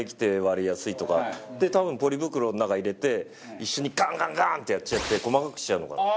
多分ポリ袋の中入れて一緒にガンガンガンってやっちゃって細かくしちゃうのかなと。